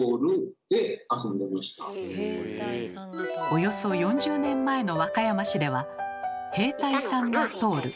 およそ４０年前の和歌山市では「へいたいさんがとおる」